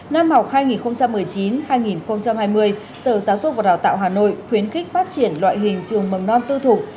năm học hai nghìn một mươi chín hai nghìn hai mươi sở giáo dục và đào tạo hà nội khuyến khích phát triển loại hình trường mầm non tư thục